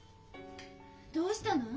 どうしたの？